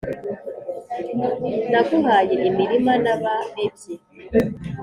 ko naguhaye imirima n' ababibyi